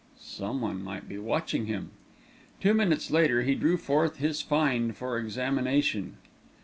Someone might be watching him. Two minutes later he drew forth his find for examination.